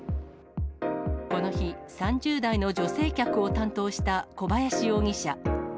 この日、３０代の女性客を担当した小林容疑者。